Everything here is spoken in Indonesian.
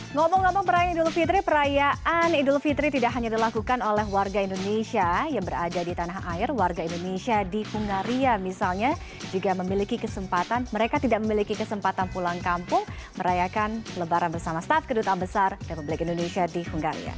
ngomong ngomong perayaan idul fitri perayaan idul fitri tidak hanya dilakukan oleh warga indonesia yang berada di tanah air warga indonesia di hungaria misalnya juga memiliki kesempatan mereka tidak memiliki kesempatan pulang kampung merayakan lebaran bersama staf kedutaan besar republik indonesia di hungaria